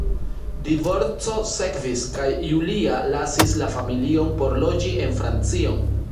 Divorco sekvis kaj Julia lasis la familion por loĝi en Francion.